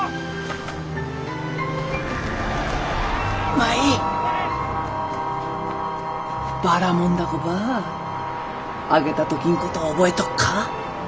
舞ばらもん凧ばあげた時んこと覚えとっか？